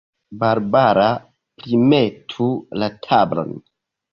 Barbara, primetu la tablon.